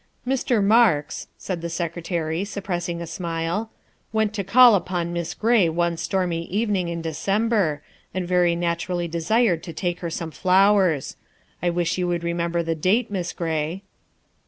" Mr. Marks," said the Secretary, suppressing a smile, '' went to call upon Miss Gray one stormy evening in December, and very naturally desired to take her some flowers. I wish you could remember the date, Miss Gray."